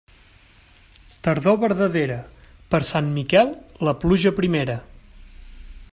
Tardor verdadera, per Sant Miquel la pluja primera.